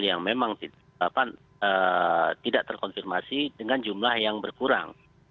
yang memang tidak terkonfirmasi dengan jumlah yang berkurang